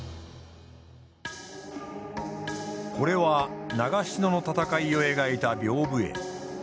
これは長篠の戦いを描いた屏風絵。